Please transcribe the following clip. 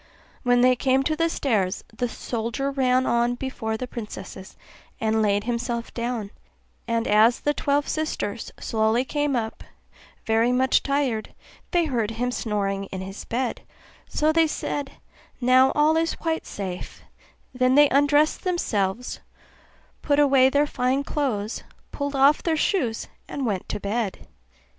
When they came to the stairs, the soldier ran on before the princesses, and laid himself down; and as the twelve sisters slowly came up very much tired, they heard him snoring in his bed; so they said, 'Now all is quite safe'; then they undressed themselves, put away their fine clothes, pulled off their shoes, and went to bed.